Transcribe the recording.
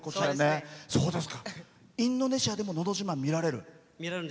インドネシアでも「のど自慢」見られる？